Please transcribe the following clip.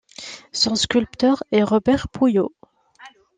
Son sculpteur est Robert Pouyaud.